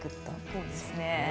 そうですねえ。